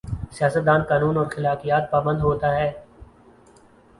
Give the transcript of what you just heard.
سیاست دان قانون اور اخلاقیات کا پابند ہو تا ہے۔